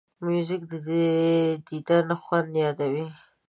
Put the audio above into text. موزیک د دیدن خوند یادوي.